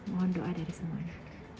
mohon doa dari semuanya